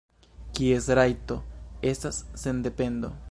Kies rajto estas sendependo?